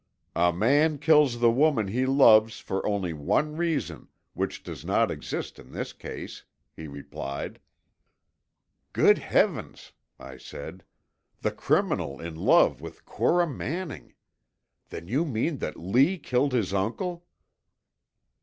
"A man kills the woman he loves for only one reason, which does not exist in this case," he replied. "Good heavens!" I said. "The criminal in love with Cora Manning! Then you mean that Lee killed his uncle?"